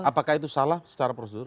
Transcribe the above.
apakah itu salah secara prosedur